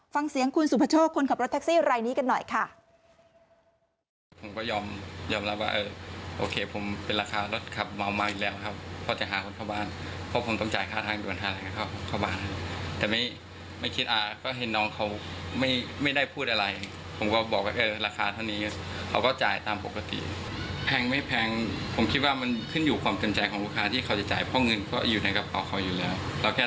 ฟังเสียงคุณสุภโชคคนขับรถแท็กซี่รายนี้กันหน่อยค่ะ